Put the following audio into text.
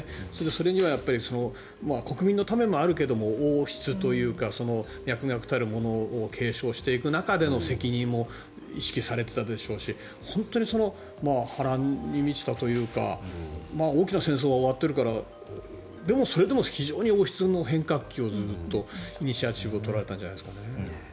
それには国民のためもあるけども王室というか、脈々たるものを継続していく中での責任も意識されていたでしょうし本当に波乱に満ちたというか大きな戦争は終わっているからでもそれでも王室の変革期をずっとイニシアチブを取られてきたんじゃないですかね。